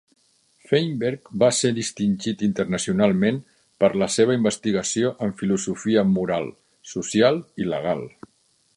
Feinberg va ser distingit internacionalment per la seva investigació en filosofia moral, social i legal.